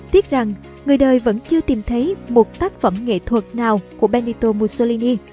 tiếc rằng người đời vẫn chưa tìm thấy một tác phẩm nghệ thuật nào của benito mussolini